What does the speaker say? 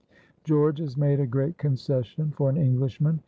George has made a great concession for an Englishman.